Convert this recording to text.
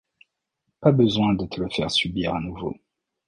Pas besoin de te le faire subir à nouveau.